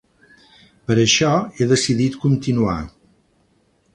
Per això, he decidit continuar.